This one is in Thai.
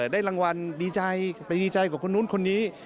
ได้รางวัลดีใจไปดีใจกว่าคนนู้นคนนี้